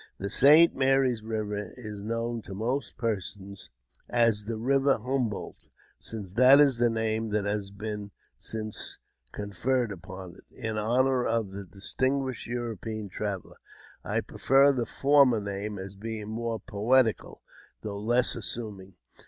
The St. Mary's River is known ta most persons as the River Humboldt, since that is the name that has been since conferred upon it, in honour of the dis tinguished European traveller. I prefer the former name, as being more poetical, though less assuming.